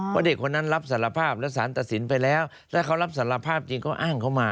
เพราะเด็กคนนั้นรับสารภาพและสารตัดสินไปแล้วถ้าเขารับสารภาพจริงเขาอ้างเขามา